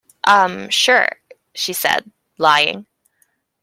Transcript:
Um... sure, she said, lying.